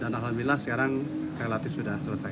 dan alhamdulillah sekarang relatif sudah selesai